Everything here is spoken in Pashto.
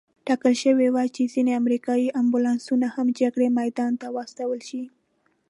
ټاکل شوې وه چې ځینې امریکایي امبولانسونه هم جګړې میدان ته واستول شي.